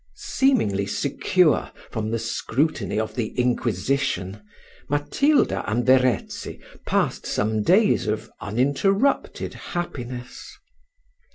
Seemingly secure from the scrutiny of the inquisition, Matilda and Verezzi passed some days of uninterrupted happiness.